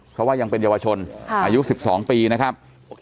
เพราะว่ายังเป็นเยาวชนอายุ๑๒ปีนะครับ